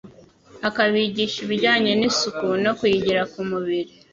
akabigisha ibijyanye n'isuku no kuyigira ku mubiri.